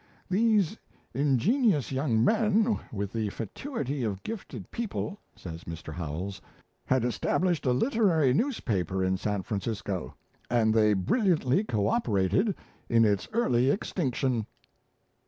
"These ingenuous young men, with the fatuity of gifted people," says Mr. Howells, "had established a literary newspaper in San Francisco, and they brilliantly co operated in its early extinction."